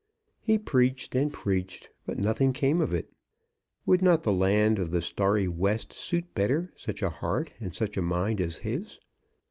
He preached and preached, but nothing came of it. Would not the land of the starry west suit better such a heart and such a mind as his?